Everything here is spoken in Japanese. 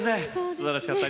すばらしかった。